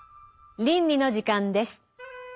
倫理の時間です。